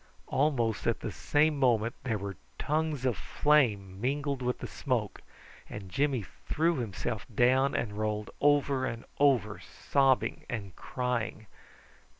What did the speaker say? Almost at the same moment there were tongues of flame mingled with the smoke, and Jimmy threw himself down and rolled over and over, sobbing and crying.